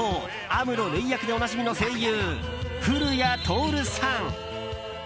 アムロ・レイ役でおなじみの声優古谷徹さん。